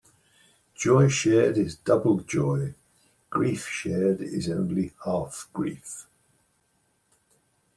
Joy shared is double joy; grief shared is only half grief.